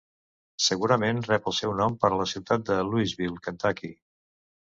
Segurament rep el seu nom per la ciutat de Louisville, Kentucky.